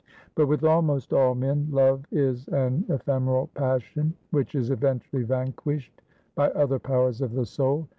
But, with almost all men, love is an ephemeral passion, which is eventually vanquished by other powers of the soul.